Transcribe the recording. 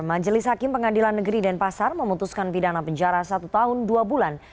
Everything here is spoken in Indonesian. majelis hakim pengadilan negeri denpasar memutuskan pidana penjara satu tahun dua bulan